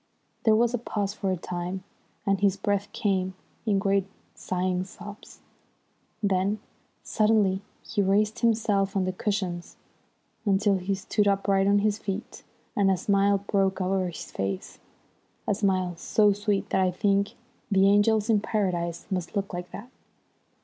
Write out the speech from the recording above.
There was a pause for a time, and his breath came in great sighing sobs. Then suddenly he raised himself on the cushions until he stood upright on his feet, and a smile broke over his face a smile so sweet that I think the angels in Paradise must look like that.